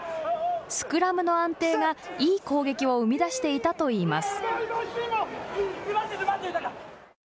スクラムの安定がいい攻撃を生み出していたといいます。